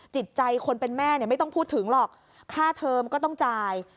จิตใจคนเป็นแม่ไม่ต้องพูดถึงหรอกค่าเทิมก็ต้องจ่าย